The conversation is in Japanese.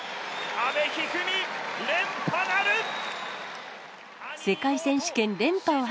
阿部一二三、連覇なる！